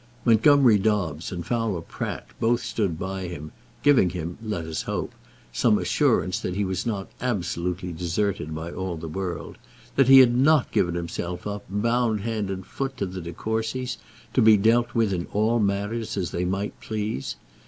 Montgomerie Dobbs and Fowler Pratt both stood by him, giving him, let us hope, some assurance that he was not absolutely deserted by all the world, that he had not given himself up, bound hand and foot, to the De Courcys, to be dealt with in all matters as they might please.